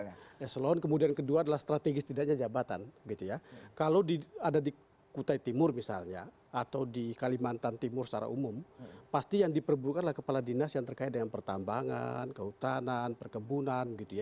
eselon kemudian kedua adalah strategis tidaknya jabatan gitu ya kalau ada di kutai timur misalnya atau di kalimantan timur secara umum pasti yang diperburukanlah kepala dinas yang terkait dengan pertambangan kehutanan perkebunan gitu ya